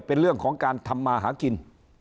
เป็นเรื่องของการทำมาหากิน